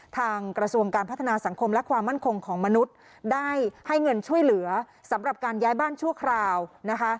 กระทรวงการพัฒนาสังคมและความมั่นคงของมนุษย์ได้ให้เงินช่วยเหลือสำหรับการย้ายบ้านชั่วคราวนะคะ